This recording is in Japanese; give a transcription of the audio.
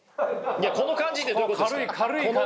この感じってどういうことですか？